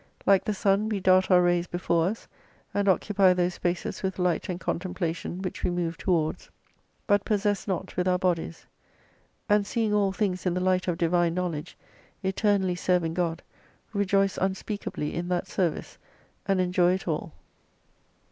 Like the sun we dart our rays before us, and occupy those spaces with light and contemplation which we move towards, but possess ?2 5 not with our bodies. And seeing all things in the light of Divine knowledge, eternally serving God, rejoice unspeakably in that service, and enjoy it all.